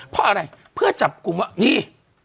เพราะอะไรเพื่อจับกลุ่มว่านี่